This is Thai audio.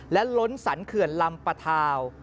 และล้นสรรเขื่อนลำปะทาว